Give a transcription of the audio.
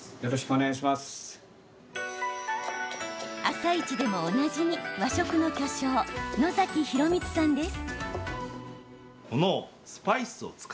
「あさイチ」でもおなじみ和食の巨匠、野崎洋光さんです。